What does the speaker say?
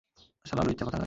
শালা লুইচ্চা কোথাকার!